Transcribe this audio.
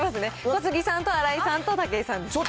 小杉さんと新井さんと武井さんですね。